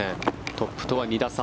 トップとは２打差。